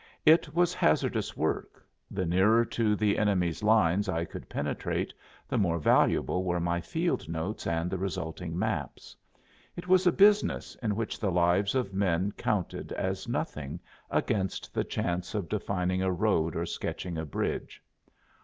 It was hazardous work; the nearer to the enemy's lines I could penetrate, the more valuable were my field notes and the resulting maps. It was a business in which the lives of men counted as nothing against the chance of defining a road or sketching a bridge.